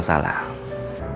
republican ya jadi